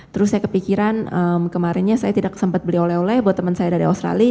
terus saya kepikiran kemarinnya saya tidak sempat beli oleh oleh buat teman saya dari australia